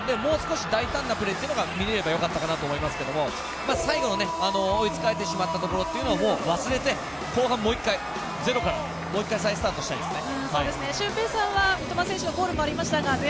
ただ、その中でのチャレンジする部分でもう少し大胆なプレーが見れればよかったかなと思いますけれども、最後、追いつかれてしまったところも忘れて、後半もう一回、ゼロからもう一回、再スタートしたいですね。